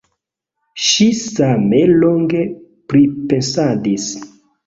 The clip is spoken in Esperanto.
Ŝi same longe pripensadis.